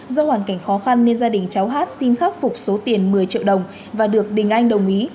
do hoàn cảnh khó khăn nên gia đình cháu hát xin khắc phục số tiền một mươi triệu đồng và được đình anh đồng ý